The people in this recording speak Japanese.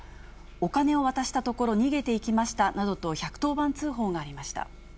お金を渡したところ逃げていきましたなどと１１０番通報がありました。